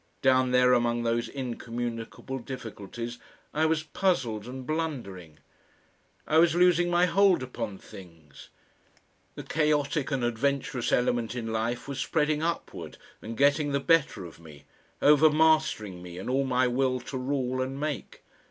Down there among those incommunicable difficulties, I was puzzled and blundering. I was losing my hold upon things; the chaotic and adventurous element in life was spreading upward and getting the better of me, over mastering me and all my will to rule and make....